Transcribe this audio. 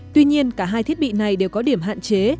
tuy nhiên cả hai thiết bị này đều có điểm hạn chế